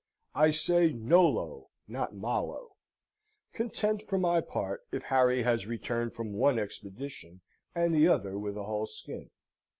I say Nolo, not Malo: content, for my part, if Harry has returned from one expedition and t'other with a whole skin.